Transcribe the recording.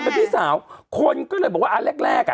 ความเป็นพี่สาวคนก็เลยบอกว่าอันแรก